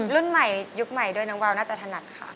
รุ่นใหม่ยุคใหม่ด้วยน้องวาวน่าจะถนัดค่ะ